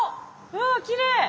わきれい！